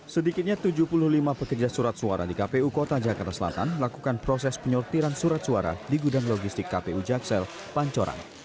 sedikitnya tujuh puluh lima pekerja surat suara di kpu kota jakarta selatan melakukan proses penyortiran surat suara di gudang logistik kpu jaksel pancoran